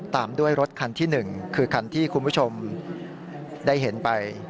ตามด้วยรถคันที่๑คือคันที่คุณผู้ชมได้เห็นไป